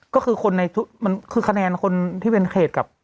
ก็คือคนในทุกมันคือคะแนนคนที่เป็นเขตกับ